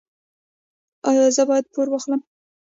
ایا زه باید پور واخلم؟